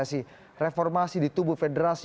jadi reformasi di tubuh federasi